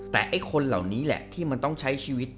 แต่ไอ้คนเหล่านี้แหละที่มันต้องใช้ชีวิต